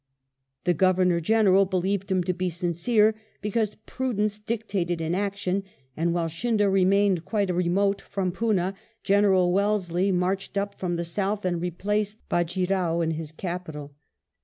The Governor General believed him to be sincere, because prudence dictated inaction ; and while Scindia remained quite remote from Poona, General Wellesley marched up from the south and replaced Bajee £ao in his capital.